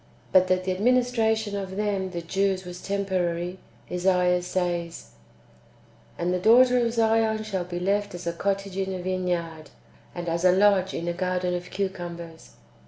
But that the administration of them (the Jews) was temporary, Esaias says :" And the daughter of Zion shall be left as a cottage in a vineyard, and as a lodge in a garden of cucumbers."